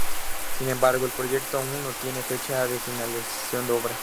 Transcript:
Sin embargo, el proyecto aún no tiene fecha de finalización de obras.